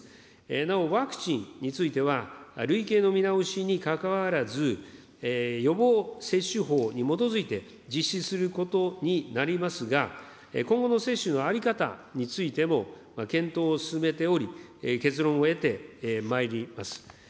なお、ワクチンについては、類型の見直しにかかわらず、予防接種法に基づいて、実施することになりますが、今後の接種の在り方についても検討を進めており、結論を得てまいります。